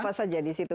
apa saja di situ